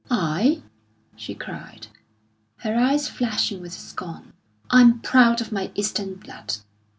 "I?" she cried, her eyes flashing with scorn. "I'm proud of my Eastern blood.